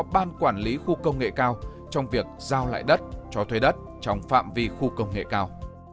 ban quản lý khu công nghệ cao trong việc giao lại đất cho thuê đất trong phạm vi khu công nghệ cao